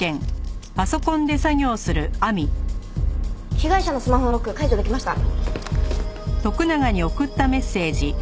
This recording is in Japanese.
被害者のスマホのロック解除できました。